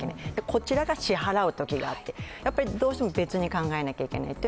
こちらが支払うときがあってどうしても別に考えるときがある。